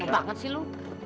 banget sih lu